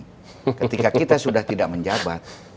ketika kita sudah tidak menjabat